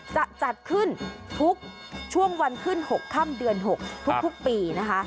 จะจัดขึ้นทุกช่วงวันขึ้น๖ค่ำเดือน๖ทุกปีนะคะ